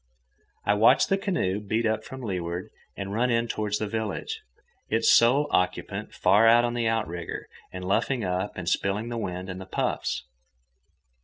I watched the canoe beat up from leeward and run in toward the village, its sole occupant far out on the outrigger and luffing up and spilling the wind in the puffs.